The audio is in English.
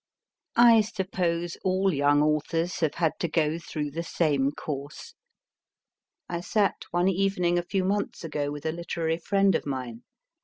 I suppose all young authors have had to go through the same course. I sat one evening, a few months ago, with a literary friend of mine.